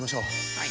はい。